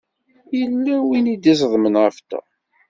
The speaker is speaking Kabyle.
Yella win i d-iẓeḍmen ɣef Tom.